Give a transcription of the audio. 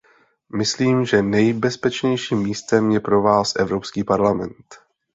Myslím, že nejbezpečnějším místem je pro vás Evropský parlament.